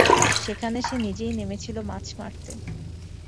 সেখানে সে নিজেই নেমেছিল মাছ মারতে।